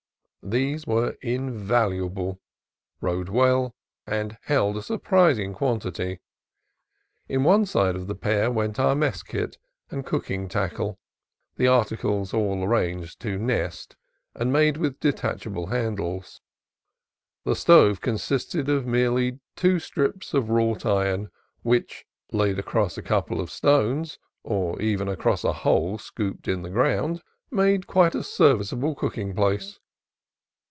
These were invaluable, rode well, and held a sur prising quantity. In one side of one pair went our mess kit and cooking tackle, the articles all arranged to "nest," and made with detachable handles. The stove consisted of merely two little strips of wrought 4 CALIFORNIA COAST TRAILS iron, which, laid across a couple of stones or even across a hole scooped in the ground, made a quite serviceable cooking place.